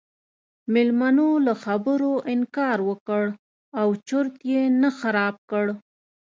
میلمنو له خبرو انکار وکړ او چرت یې نه خراب کړ.